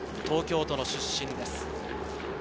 東京都の出身です。